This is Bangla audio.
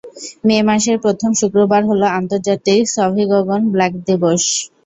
মে মাসের প্রথম শুক্রবার হল আন্তর্জাতিক সভিগনন ব্লাঙ্ক দিবস।